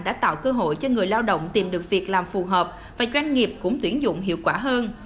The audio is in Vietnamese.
đã tạo cơ hội cho người lao động tìm được việc làm phù hợp và doanh nghiệp cũng tuyển dụng hiệu quả hơn